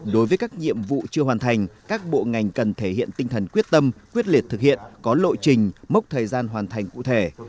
đối với các nhiệm vụ chưa hoàn thành các bộ ngành cần thể hiện tinh thần quyết tâm quyết liệt thực hiện có lộ trình mốc thời gian hoàn thành cụ thể